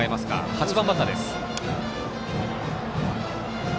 ８番バッターです。